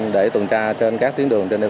để tuần tra trên các tiến sĩ